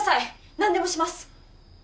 何でもします！